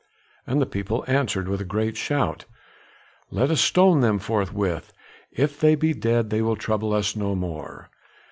And the people answered with a great shout, "Let us stone them forthwith; if they be dead they will trouble us no more!"